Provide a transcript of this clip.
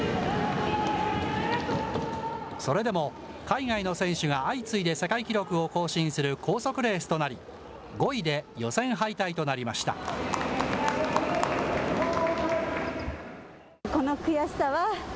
それでも、海外の選手が相次いで世界記録を更新する高速レースとなり、５位で予選敗退となりました。